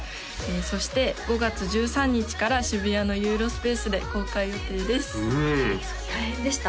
そして５月１３日から渋谷のユーロスペースで公開予定です大変でした？